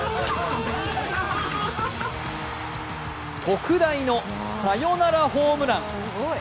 特大のサヨナラホームラン。